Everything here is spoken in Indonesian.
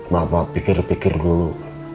bapak pikir pikir dulu